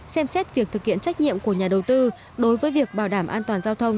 xem xét việc thực hiện trách nhiệm của nhà đầu tư đối với việc bảo đảm an toàn giao thông